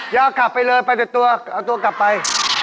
อย่าขับไปเลยไปแต่ตัวเอาตัวกลับไป